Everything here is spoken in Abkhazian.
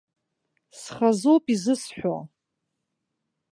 Схазоуп изысҳәо.